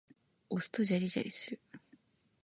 押すとジャリジャリする。